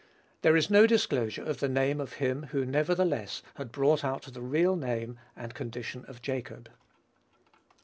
There is no disclosure of the name of him who, nevertheless, had brought out the real name and condition of Jacob.